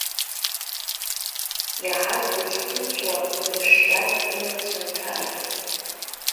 Иаҳаз дазхәыцуа, дышиаз илацәа нҭааит.